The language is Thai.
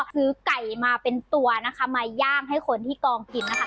ซื้อไก่มาเป็นตัวมาย่างให้คนที่กองกิน